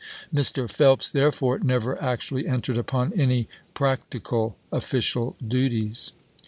Mr. Phelps therefore never actually entered upon any practi cal official duties.